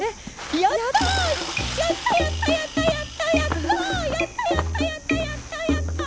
やったやったやったやったやった！